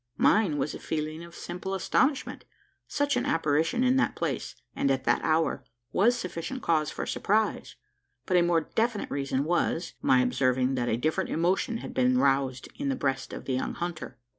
Mine was a feeling of simple astonishment. Such an apparition in that place, and at that hour, was sufficient cause for surprise; but a more definite reason was, my observing that a different emotion had been roused in the breast of the young hunter.